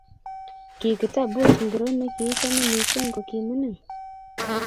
ki kitabut ingiroo ne kichame missing ko kimining